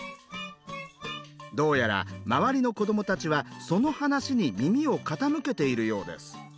どうやら周りの子どもたちはその話に耳を傾けているようです。